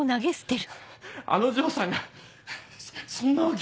あの丈さんがそんなわけ。